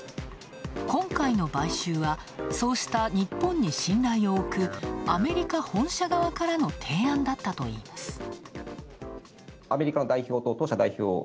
今回の買収は、そうした日本に信頼を置くアメリカ本社側からの提案だったといいます。